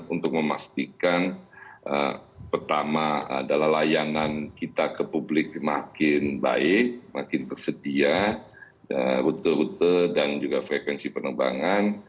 untuk memastikan pertama adalah layanan kita ke publik makin baik makin tersedia rute rute dan juga frekuensi penerbangan